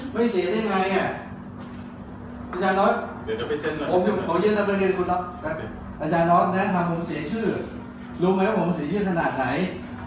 ไม่เสียได้ไงอาจารย์รอธผมเสียชื่อรู้ไหมว่าผมเสียชื่อขนาดไหน